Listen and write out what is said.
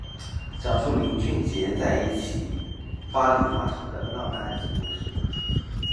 讲述林俊杰一起在巴黎发生的浪漫爱情故事。